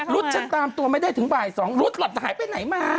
ฉันตามตัวไม่ได้ถึงบ่าย๒รุดหลอดหายไปไหนมา